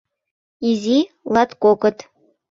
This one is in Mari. Изи... латкокыт.